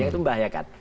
yang itu membahayakan